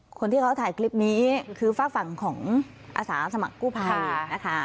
คนที่เขาถ่ายคลิปนี้คือฝากฝั่งของอาสาสมัครกู้ภัยนะคะ